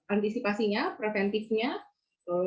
antisipasi dan preventifnya